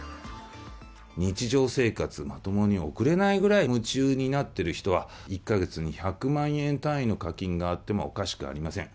日常生活をまともに送れないぐらい夢中になってる人は、１か月に１００万円単位の課金があってもおかしくありません。